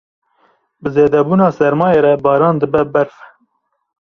Bi zêdebûna sermayê re, baran dibe berf.